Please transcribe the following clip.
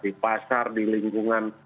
di pasar di lingkungan